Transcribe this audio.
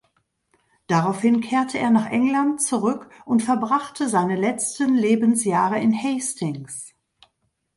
Daraufhin kehrte er nach England zurück und verbrachte seine letzten Lebensjahre in Hastings.